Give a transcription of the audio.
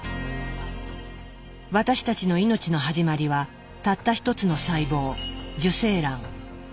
私たちの命の始まりはたった１つの細胞「受精卵」。